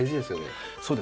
そうですね。